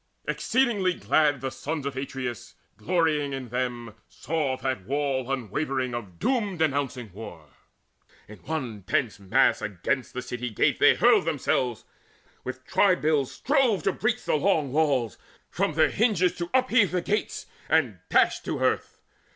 Exceeding glad the sons Of Atreus, glorying in them, saw that wall Unwavering of doom denouncing war. In one dense mass against the city gate They hurled themselves, with twibills strove to breach The long walls, from their hinges to upheave The gates, and dash to earth.